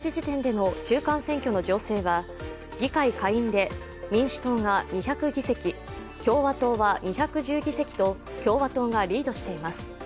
ＣＢＳテレビによりますと、日本時間午後３時時点での中間選挙の情勢は議会下院で民主党が２００議席共和党は２１０議席と共和党がリードしています。